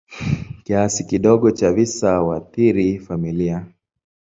Kiasi kidogo cha visa huathiri familia.